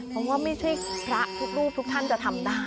เพราะว่าไม่ใช่พระทุกรูปทุกท่านจะทำได้